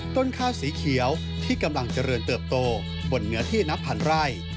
ต้นข้าวสีเขียวที่กำลังเจริญเติบโตบนเนื้อที่นับพันไร่